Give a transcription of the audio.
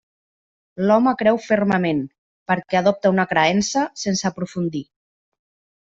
L'home creu fermament, perquè adopta una creença sense aprofundir.